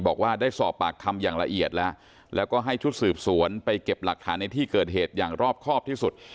บอกว่าได้สอบปากคำอย่างละเอียดแล้วแล้วก็ให้ชุดสืบสวนไปเก็บหลักฐานในที่เกิดเหตุอย่างรอบครอบที่สุด